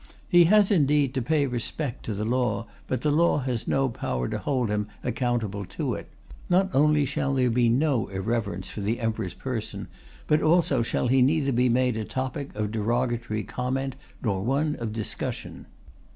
He has, indeed, to pay due respect to the law, but the law has no power to hold Him accountable to it. Not only shall there be no irreverence for the Emperor's person, but also shall He neither be made a topic of derogatory comment nor one of discussion."